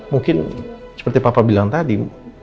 mungkin seperti papa bilang tadi